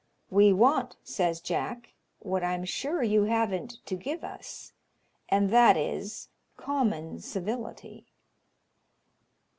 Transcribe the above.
"We want," says Jack, "what I'm sure you haven't to give us and that is, common civility."